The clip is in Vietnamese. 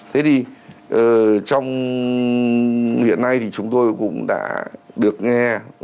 thế thì trong hiện nay thì chúng tôi cũng đã được nghe